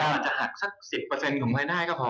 มันจะหักสัก๑๐ของใครได้ก็พอ